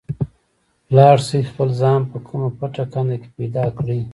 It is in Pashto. لاړ شئ خپل ځان په کومه پټه کنده کې پیدا کړئ.